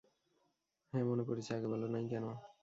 হ্যাঁ, মনে পড়ছে, আগে বলো নাই কেন।